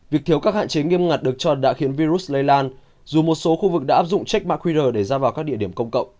việc thiếu các hạn chế nghiêm ngặt được cho đã khiến virus lây lan dù một số khu vực đã áp dụng check mã qr để ra vào các địa điểm công cộng